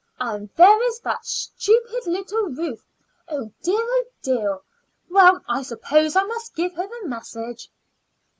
And there is that stupid little Ruth oh, dear! oh, dear! Well, I suppose I must give her the message."